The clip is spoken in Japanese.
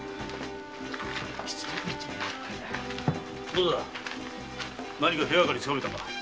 どうだ何か手がかりはつかめたか？